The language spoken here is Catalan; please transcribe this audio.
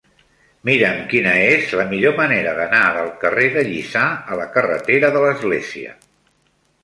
Mira'm quina és la millor manera d'anar del carrer de Lliçà a la carretera de l'Església.